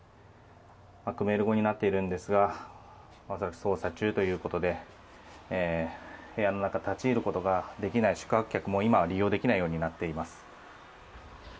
クメール語になっているんですがまさに捜査中ということで部屋の中に立ち入ることができない宿泊客も今は利用できないようになっています。